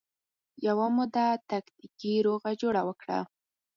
یوه موده تکتیکي روغه جوړه وکړه